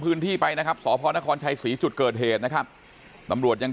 พื้นที่ไปนะครับสพนครชัยศรีจุดเกิดเหตุนะครับตำรวจยัง